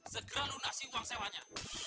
segera lunasi uang sewanya